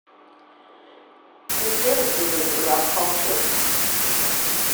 Conservatism is our culture.